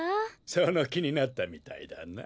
そのきになったみたいだな。